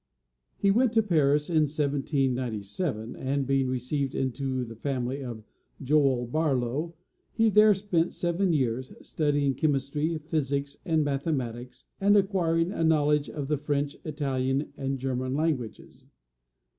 He went to Paris in 1797, and being received into the family of Joel Barlow, he there spent seven years, studying chemistry, physics and mathematics, and acquiring a knowledge of the French, Italian, and German languages.